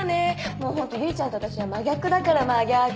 もうホント百合ちゃんと私は真逆だから真逆。